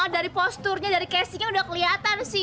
dari posturnya dari casingnya udah kelihatan sih